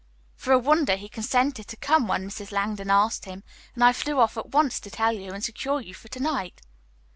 For a wonder, he consented to come when Mrs. Langdon asked him, and I flew off at once to tell you and secure you for tonight."